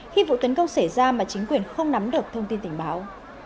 khi vụ tấn công xảy ra mà chính quyền không nắm được thông tin tình báo